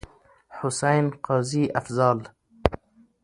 حسين، قاضي افضال.